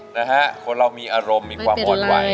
นะฮะคนเรามีอารมณ์มีความอ่อนไหว